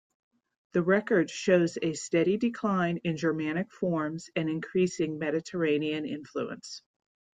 The record shows a steady decline in Germanic forms and increasing Mediterranean influence.